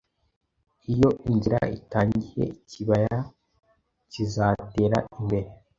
Iyo inzira itangiye ikibaya kizatera imbere